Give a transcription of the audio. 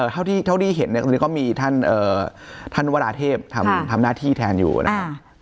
เท่าที่เห็นเนี่ยตอนนี้ก็มีท่านวราเทพทำหน้าที่แทนอยู่นะครับ